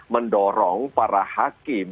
mendorong para hakim